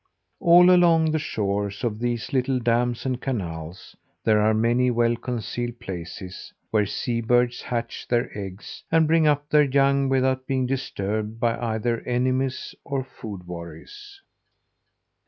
And all along the shores of these little dams and canals, there are many well concealed places, where seabirds hatch their eggs, and bring up their young without being disturbed, either by enemies or food worries.